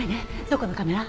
どこのカメラ？